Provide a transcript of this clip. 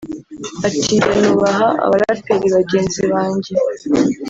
Ati ” Njye nubaha abaraperi bagenzi banjye